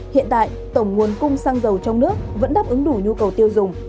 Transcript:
hiện tại tổng nguồn cung xăng dầu trong nước vẫn đáp ứng đủ nhu cầu tiêu dùng